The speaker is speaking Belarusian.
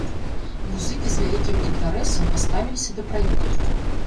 Музыкі з вялікім інтарэсам паставіліся да праекту.